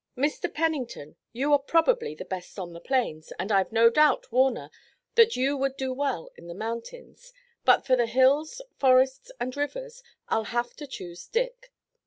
Mr. Pennington, you are probably the best on the plains, and I've no doubt, Warner, that you would do well in the mountains, but for the hills, forests and rivers I'll have to choose Dick.